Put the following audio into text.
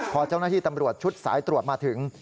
พอเจ้าหน้าที่ตำรวจชุดสายตรวจมาถึง